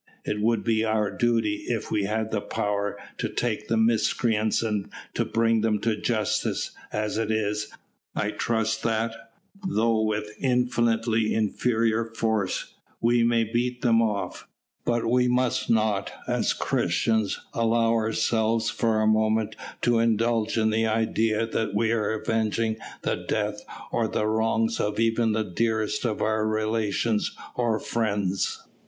It would be our duty, if we had the power, to take the miscreants and to bring them to justice; as it is, I trust that, though with infinitely inferior force, we may beat them off. But we must not, as Christians, allow ourselves for a moment to indulge in the idea that we are avenging the death or the wrongs of even the dearest of our relations or friends."